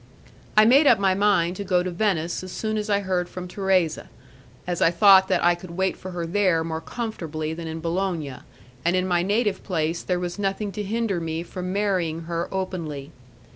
I made up my mind to go to Venice as soon as I heard from Thérèse, as I thought that I could wait for her there more comfortably than in Bologna, and in my native place there was nothing to hinder me from marrying her openly.